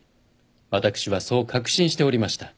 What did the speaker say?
私はそう確信しておりました。